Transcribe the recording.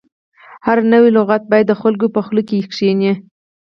هر نوی لغت باید د خلکو په خوله کې کښیني.